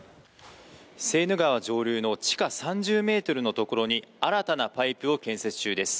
セーヌ川上流の地下３０ｍのところに新たなパイプを建設中です。